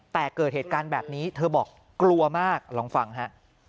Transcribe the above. แต่เกิดเหตุการณ์แบบนี้เธอบอกกลัวมากลองฟังฮะ